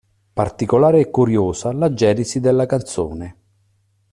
Particolare e curiosa la genesi della canzone.